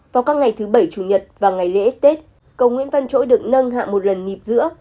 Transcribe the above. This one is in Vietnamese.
vào các ngày thứ bảy chủ nhật và ngày lễ tết cầu nguyễn văn chỗi được nâng hạ một lần nhịp giữa